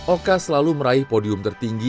oka selalu meraih podium tertinggi